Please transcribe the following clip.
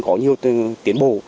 có nhiều tiến bộ